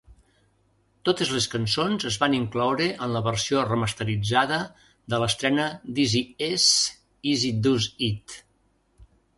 Totes les cançons es van incloure en la versió remasteritzada de l'estrena d"Eazy-E's, Eazy-Duz-It.